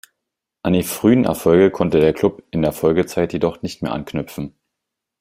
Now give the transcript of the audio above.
An die frühen Erfolge konnte der Club in der Folgezeit jedoch nicht mehr anknüpfen.